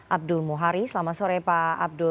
abdul muhari selamat sore pak abdul